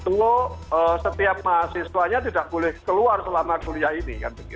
semua setiap mahasiswanya tidak boleh keluar selama kuliah ini